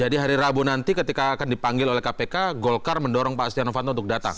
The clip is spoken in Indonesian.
jadi hari rabu nanti ketika akan dipanggil oleh kpk golkar mendorong pak setanow fanto untuk datang